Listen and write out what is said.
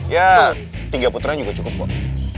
ya tiga putera juga cukup kok